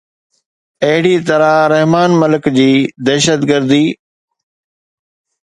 اهڙي طرح رحمان ملڪ جي دهشتگردي